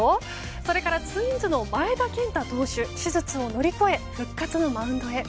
それからツインズの前田健太投手手術を乗り越え復活のマウンドへ。